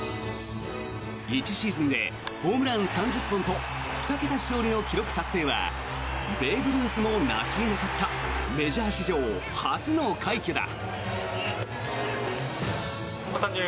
１シーズンでホームラン３０本と２桁勝利達成はベーブ・ルースも成し得なかったメジャー史上初の快挙だ。